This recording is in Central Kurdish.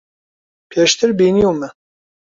پێشتر بینیومە.